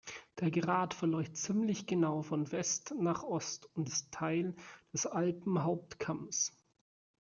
Der Grat verläuft ziemlich genau von West nach Ost und ist Teil des Alpenhauptkamms.